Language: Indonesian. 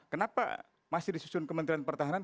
kenapa masih disusun kementerian pertahanan